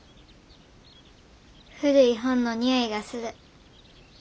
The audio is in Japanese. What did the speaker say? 古い本のにおいがする。